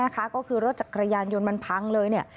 ก็คือรถจักรยานยนต์มันพังเลย